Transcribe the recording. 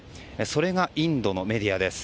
それがインドのメディアです。